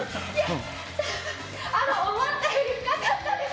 思ったより深かったです。